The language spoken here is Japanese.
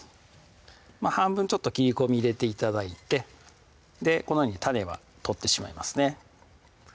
半分ちょっと切り込み入れて頂いてこのように種は取ってしまいますね